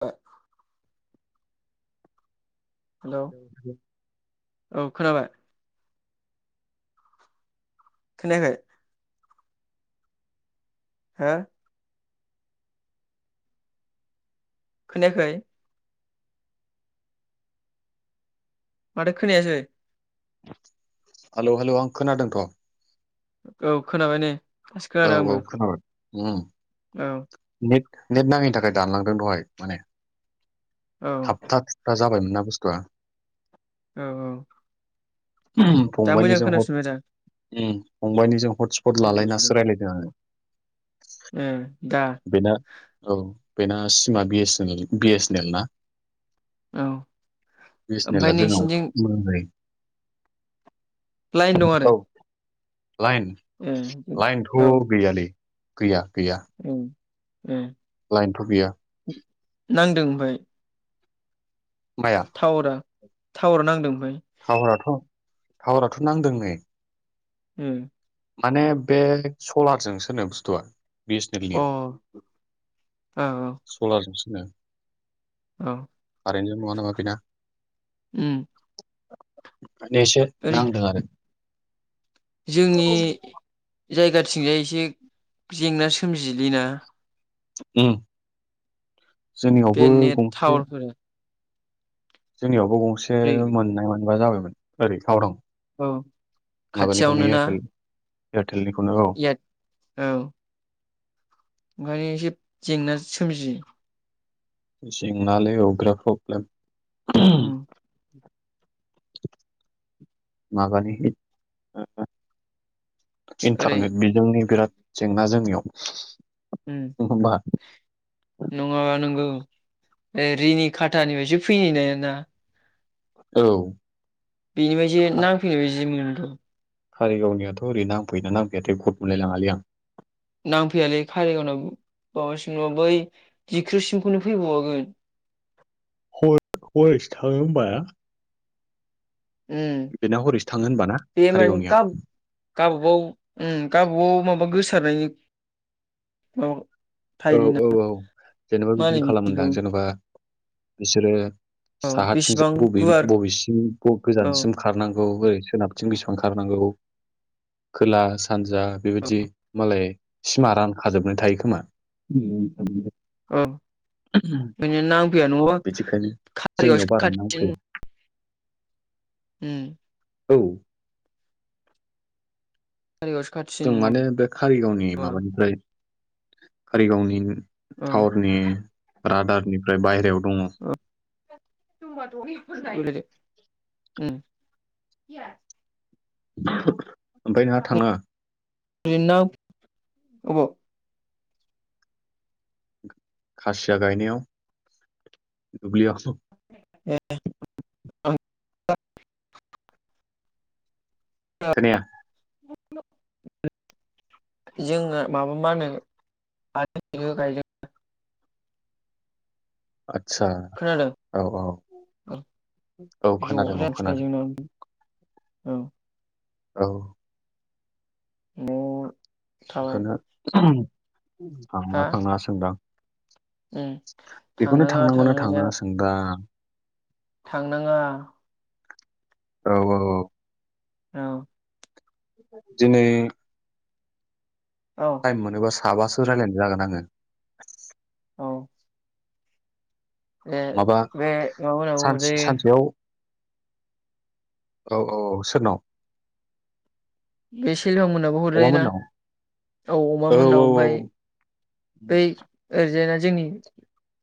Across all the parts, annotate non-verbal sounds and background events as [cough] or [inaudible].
ओ हेल' औ खोनाबाय? खोनायाखै? हो खोनायाखै? माथो खोनायासै? हेलौ हेलौ आं खोनादोंथ'। औ खोनाबाय नै? दासो औ खोनादों आंबो औ खोनाबाय उम। औ [unintelligible] नेट नांयैनि थाखाय दानलांदों दहाय माने। औ थाबथा ग्रा जाबायमोनना बुस्थुआ। औ औ। फंबायनिजों हट उम फंबायनिजों हटस्पट लालायनासो रायलायदों आङो। ए दा बेना औ। बेना सिमा B S N L, B S N L ना? औ बि एस एन एला ओमफ्राय जोंनाव नोंसिनिथिं [unintelligible] लाइन दं आरो? औ लाइन ए लाइनथ' औ गैयालै। गैया। गैया। उम। लाइनथ गैया। नांदों ओमफ्राय? थावरा? थावरा नांदों। ओमफ्राय थावराथ टावाराथ नांदों नै होम माने बे सलारजोंसोनो बुस्थुआ बि एस नेल नि औ औ सलार ओम औ उम एसे ओरै नांदों आरो जोंनि जायगाथिंजाय एसे जेंना सोमजियोलै ना? ओम बे जोंनियावबो नेट गंसे टावारफोरा जोंनियाव गंसे मोननाय मोनबा जाबायमोन। ओरै टावरा औ खाथियावनो ना ए एद औ ओंखायनो एसे जेंना सोमजियो जेंनालै अग्रा प्रब्लेम उम माबानि ओरै इन्टारनेट बिजोंनि बिराद जेंना जोंनियाव [inaudible] ओम होमबा नङाबा नंगौ ए रिनि खाथानिफ्रायसो फैनाय ना नोंना औ बेनिफ्राइसो नांफैनाय बायदि मोनो। औ कारिगावनियाथ' ओरै नांफैयोना नांफैया गट मोनलायलाङालै आं नांफैयालै कारिगावाव माबासिम नङा बै जिख्रुसिमखौनो फैबावगोन। हयसो थाङो होमबा उम बेनाव हरैसो थाङो होनबाना बे माने कारिगावनिया गाब गावबागाव उम गावबागाव माबा गोसारनायनि औ औ औ औ जेनेबा बिदिनो होनो बिदिखौ खालामोदां जेनेबा-' बिसोरो साहाथिंजों बेसेबां बबे गुवार बबेसिम औ गोजानसिम खारनांगौ औ ओरै सोनाबथिं बेसेबां ओंखारनांगौ खोला सानजा बेबायदि मालाय सिमा रानखाजोबनाय थायो खोमा। [unintelligible] बिदिखायनो जोंनियाव बारा नांफैया [unintelligible] उम औ कारिगावासो खाथिसिन नङाब खारिगावनि माबानिफ्राय कारिगावनि औ थावरनि रादारनि बाहेरायाव [unintelligible] उम [unintelligible] ओमफ्राय नोंहा थानाङा। [unintelligible] अबाव खासिया गायनायाव दुब्लियाव [unintelligible] खोनाया [unintelligible] जोङो माबा मा होनो [unintelligible] गायदों। आच्छा खोनादों औ औ औ ज खोनादों औ खोनादों [unintelligible] औ औ [unintelligible] बेखौनो [unintelligible] हा थांना थांनाङासो नोंदां। उम बेखौनो थांनांगौना थांनाङा सोंदां थांनाङा औ औ औ औ दिनै औ थाइम मोनोबास साबासो रायलायनाय जागोन आङो। औ ए माबा बे सानस [unintelligible] सानसेयाव औ औ सोरनाव। बे सिलफां मोनाबो अमा हरजायोना मोननाव औ अमा मोननाव ओमफाय बै ओरै जायना। जोंनि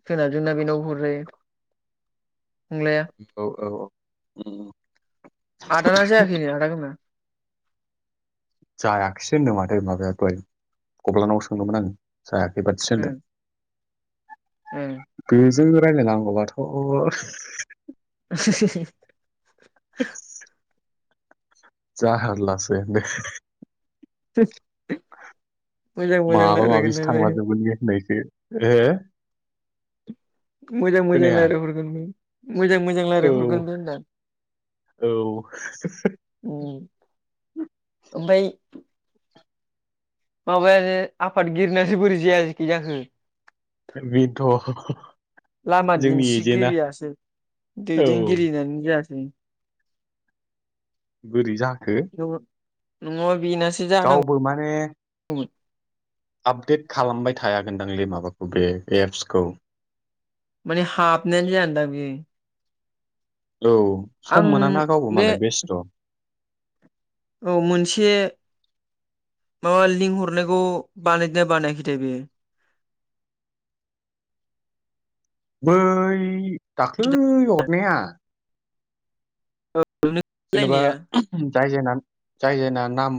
सोनाबजोंना बेनावबो हरजायो। फंलाया उम औ औ औ। औ। आदाना जायाखै नो आदागना [unintelligible] जायाखिसै होनदों माथो माबायाथ गब्लानाव सोंदोंमोन [unintelligible] आङो जायाखै बाथसदों [unintelligible] ओम जों रायजलायनांगौब्लाथ'। [unintelligible] जारलासोनो। [unintelligible] मोजां मोजां माबाबा रायलायगोन माबिसो नो बे थांला जोबगोन [unintelligible] हो। मोजां मोजां खोनाया रायजायहरगोन नों। मोजां मोजां औ रायजलायहरगोन दे होनदां औ ओमफ्राय। माबायानो आफादगिरिरनासो बोरै जाया जखि जाखो। बेथ' लामा दिन्थिगिरियासै औ दैदेनगिरिनानै जायासै। [inaudible] बोरै जाखो। [unintelligible] जानांगौ गावबो माने। आपडेट खालामबाय थायाागोनदांलै माबाखौ बे एप्सखौ मानि हाप [unintelligible] औ सम मोनाना गावबो बे मालाय बेस्थ'। औ मोनसे माबा लिंक हरनायखौ बानायना बानायाखै दे बेयो [unintelligible] बै। दाख्लै। नेहा। जेनेबा लायनाया जाय जायना। जाय जायना नाम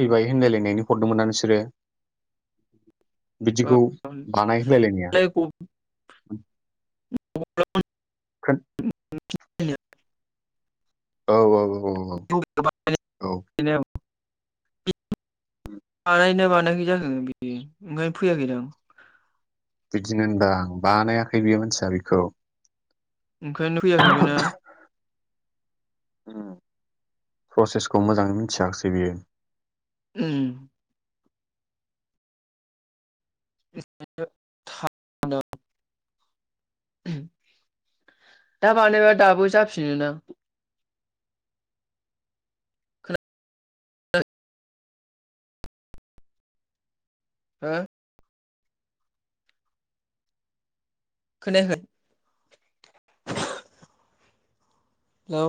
फैबाय होनलायलायनायनि हरदोंमोना नोंसोरो। बिदिखौ बानाय होलायलायनाया [unintelligible] [unintelligible] [unintelligible] औ औ औ औ औ बानायनो औ। [unintelligible] मोनाखै जाखो बिदि ओंखायनो फैयाखैदांं। बिदिनो होनबा बानायाखै बेयो मानसिया बेखौ। ओंखायनो फैयाखै बेना। उम प्रसेसखौ मोजाङै मिनथियाखैसै बियो। उम। [unintelligible] दा बानाबा दाबो जाफिनो दां? ओ? खोनायाखै? हेल'।